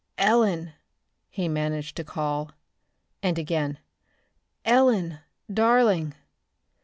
"Ellen," he managed to call; and again, "Ellen, darling!"